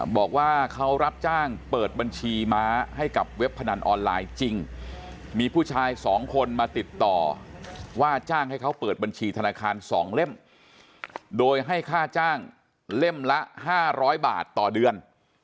บอกว่าเขารับจ้างเปิดบัญชีม้าให้กับเว็บพนันออนไลน์จริงมีผู้ชาย๒คนมาติดต่อว่าจ้างให้เขาเปิดบัญชีธนาคาร๒เล่มโดยให้ค่าจ้างเล่มละ๕๐๐บาทต่อเดือน